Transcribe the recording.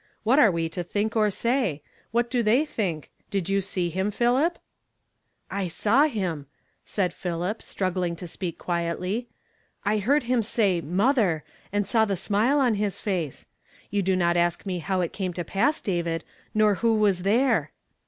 «'• What are we to think or say ? What do they tlunk ? Did you see hinu Philip ?" ^'I saw him," said PI; Hip, struggling to speak quietly ;" I heard him s^y ' Mother,^ and saw the smile on his face. You do not ask me how ijt ,came to pass, David, nor who was tliere."